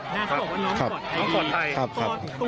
น้าเขาบอกว่าน้องกดไทย